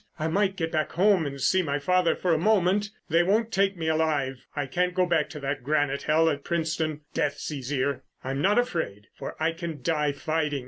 I might get back home and see my father for a moment.... They won't take me alive. I can't go back to that granite hell at Princetown. Death's easier. I'm not afraid—for I can die fighting